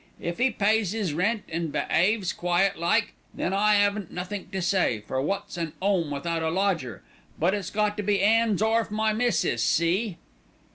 If 'e pays 'is rent an' behaves quiet like, then I 'aven't nothink to say, for wot's an 'ome without a lodger; but it's got to be 'ands orf my missis, see!"